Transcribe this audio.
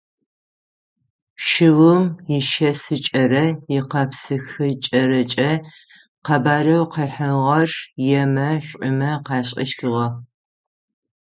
Шыум ишэсыкӏэрэ икъепсыхыкӏэрэкӏэ къэбарэу къыхьыгъэр емэ, шӏумэ къашӏэщтыгъэ.